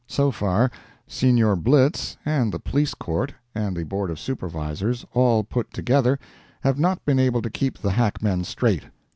So far, Signor Blitz, and the Police Court, and the Board of Supervisors, all put together, have not been able to keep the hackmen straight.